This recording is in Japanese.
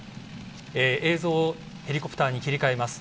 映像をヘリコプターに切り替えます。